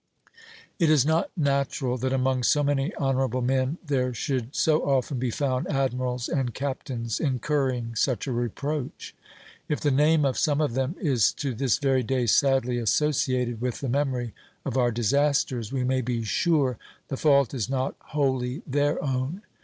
It is not natural that among so many honorable men there should so often be found admirals and captains incurring such a reproach. If the name of some of them is to this very day sadly associated with the memory of our disasters, we may be sure the fault is not wholly their own.